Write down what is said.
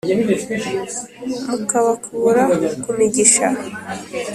Mukabakura ku migisha.